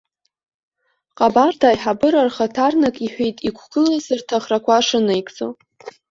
Ҟабарда аиҳабыра рхаҭарнак иҳәеит иқәгылаз рҭахрақәа шынаигӡо.